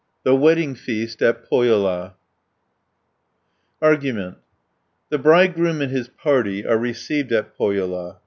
THE WEDDING FEAST AT POHJOLA Argument The bridegroom and his party are received at Pohjola (1 226).